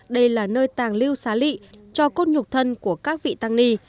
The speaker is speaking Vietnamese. đây là nơi tàng lưu xá lị cho cốt nhục thân của các vị tăng ni